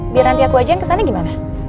biar nanti aku aja yang kesana gimana